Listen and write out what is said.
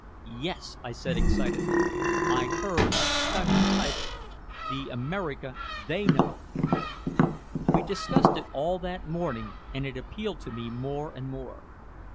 "Yes," I said excitedly. "I heard a stunning title! The America They Know!" We discussed it all that morning and it appealed to me more and more.